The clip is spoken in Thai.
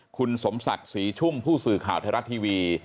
คุณสมศักดิ์ศรีชุ่มผู้สื่อข่าวไทยรัฐทีวี